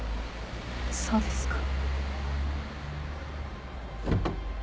そうですか。